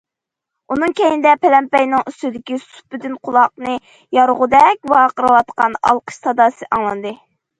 ئۇنىڭ كەينىدە، پەلەمپەينىڭ ئۈستىدىكى سۇپىدىن قۇلاقنى يارغۇدەك ۋارقىراۋاتقان ئالقىش ساداسى ئاڭلاندى.